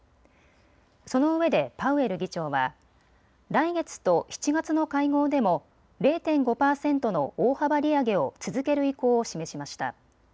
そのうえでパウエル議長は来月と７月の会合でも０．５％の大幅利上げを続ける意向を示しました。